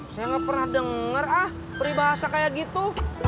saya gak pernah denger ah pribahasa kayak gitu